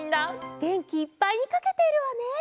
げんきいっぱいにかけているわね。